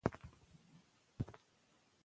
خو تاریخ ښودلې، چې ژبې په ملنډو نه ورکېږي،